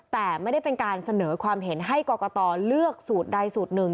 แต่ไม่ได้เป็นการเสนอความเห็นให้กรกตเลือกสูตรใดสูตรหนึ่ง